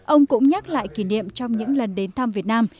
ông cũng nhắc lại kỷ niệm trong những lần đến thăm việt nam